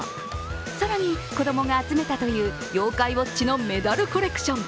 更に、子どもが集めたという「妖怪ウォッチ」のメダルコレクション。